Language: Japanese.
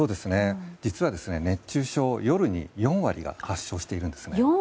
実は熱中症夜に４割が発症しているんです。